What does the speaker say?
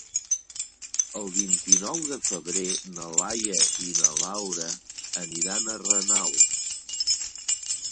El vint-i-nou de febrer na Laia i na Laura aniran a Renau.